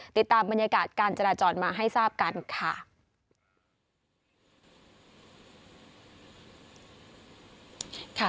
ติดตามบรรยากาศการจราจรมาให้ทราบกันค่ะ